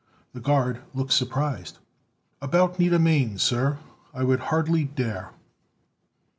The guard looked surprised. "About Nida Mane, sir? I would hardly dare."